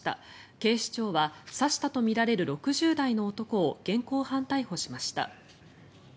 警視庁は刺したとみられる６０代の男を現行犯逮捕しました。